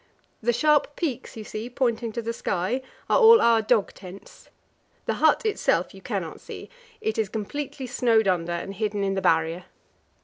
The sharp peaks you see pointing to the sky are all our dog tents. The but itself you cannot see; it is completely snowed under and hidden in the Barrier.